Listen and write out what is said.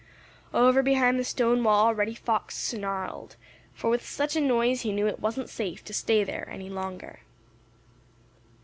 Over behind the stone wall Reddy Fox snarled, for with such a noise he knew it wasn't safe to stay there any longer.